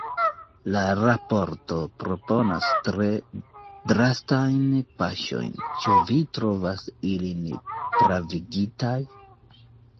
La raporto proponas tre drastajn paŝojn, ĉu vi trovas ilin pravigitaj?